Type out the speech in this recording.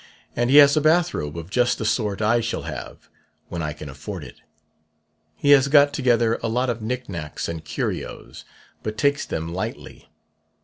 And he has a bathrobe of just the sort I shall have, when I can afford it. He has got together a lot of knick knacks and curios, but takes them lightly.